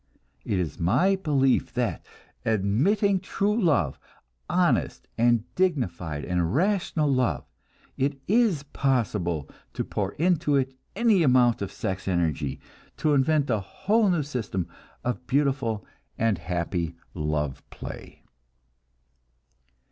It is my belief that, admitting true love honest and dignified and rational love it is possible to pour into it any amount of sex energy, to invent a whole new system of beautiful and happy love play.